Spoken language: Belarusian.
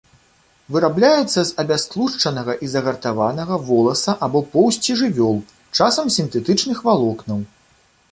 Вырабляецца з абястлушчанага і загартаванага воласа або поўсці жывёл, часам сінтэтычных валокнаў.